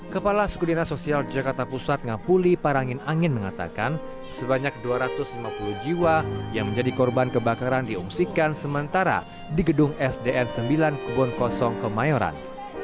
kepala suku dinas sosial jakarta pusat ngapuli parangin angin mengatakan sebanyak dua ratus lima puluh jiwa yang menjadi korban kebakaran diungsikan sementara di gedung sdn sembilan kebon kosong kemayoran